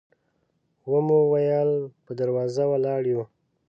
و مو ویل په دروازه ولاړ یو.